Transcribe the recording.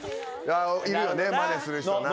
いるよねマネする人な。